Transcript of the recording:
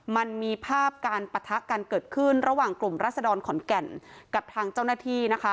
มันมีภาพการปะทะกันเกิดขึ้นระหว่างกลุ่มรัศดรขอนแก่นกับทางเจ้าหน้าที่นะคะ